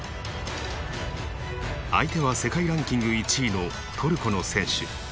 相手は世界ランキング１位のトルコの選手。